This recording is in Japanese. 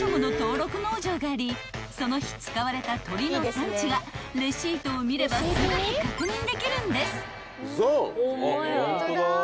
［その日使われた鶏の産地がレシートを見ればすぐに確認できるんです］